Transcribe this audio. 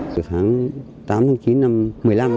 từ tháng tám tháng chín năm hai nghìn một mươi năm